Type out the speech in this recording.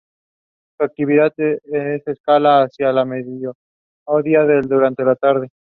Su actividad es escasa hacia el mediodía y durante la tarde.